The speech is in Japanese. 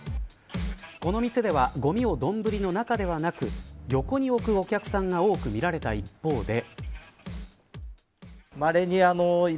この店ではごみをどんぶりの中ではなく横に置くお客さんが多く見られた一方で。